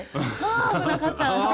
あ危なかった！